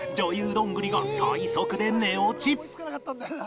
どんぐりが最速で寝落ち